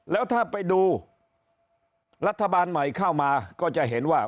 แล้วถ้าไปดูรัฐบาลใหม่เข้ามาก็จะเห็นว่า